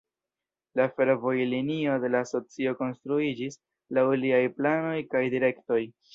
La fervojlinio de la asocio konstruiĝis laŭ liaj planoj kaj direktoj.